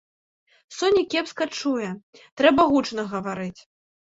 Соня кепска чуе, трэба гучна гаварыць.